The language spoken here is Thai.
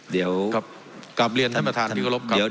เดี๋ยวกลับเรียนท่านประธานพิกรพครับ